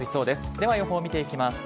では、予報見ていきます。